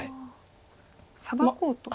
サバこうと。